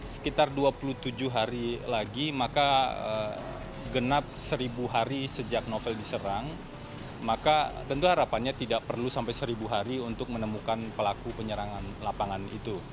sekitar dua puluh tujuh hari lagi maka genap seribu hari sejak novel diserang maka tentu harapannya tidak perlu sampai seribu hari untuk menemukan pelaku penyerangan lapangan itu